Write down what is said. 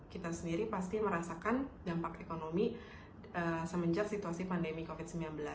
kita sendiri pasti merasakan dampak ekonomi semenjak situasi pandemi covid sembilan belas